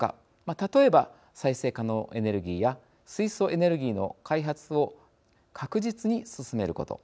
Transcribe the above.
例えば、再生可能エネルギーや水素エネルギーの開発を確実に進めること。